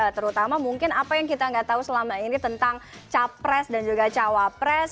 terutama mungkin apa yang kita nggak tahu selama ini tentang capres dan juga cawapres